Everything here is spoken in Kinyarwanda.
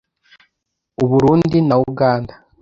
U Burundi na Uganda